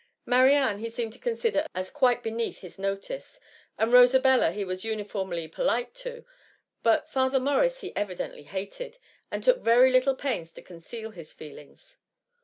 Marianne he seemed to consider as quite beneath his notice, and Rosabella he was uniformly polite to; but Father Morris he evidently hated^ and took very little pains to conceal his feel* ings.